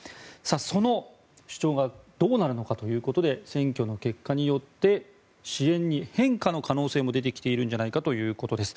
その主張がどうなるのかということで選挙の結果によって支援に変化の可能性も出てきているんじゃないかということです。